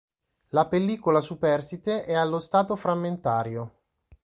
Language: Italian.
La pellicola superstite è allo stato frammentario.